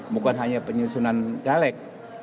bukan hanya penyusunan caleg